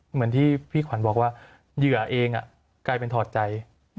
เหมือนที่พี่ขวัญบอกว่าเหยื่อเองกลายเป็นถอดใจ